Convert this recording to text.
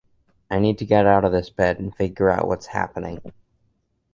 I need to get out of this bed and figure out what is happening.